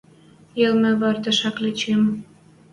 Йӹлмӹ выртеш ак ли чӹм: